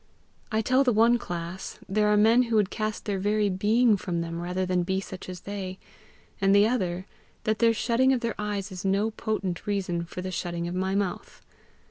I tell the one class, there are men who would cast their very being from them rather than be such as they; and the other, that their shutting of their eyes is no potent reason for the shutting of my mouth.